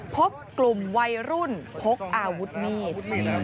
พบกลุ่มวัยรุ่นพกอาวุธมีด